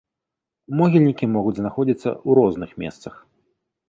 Могільнікі могуць знаходзіцца ў розных месцах.